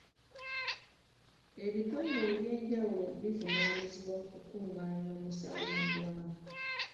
Ebitongole ebyenjawulo bivunaanyizibwa ku kukungaanya omusaayi mu ggwanga.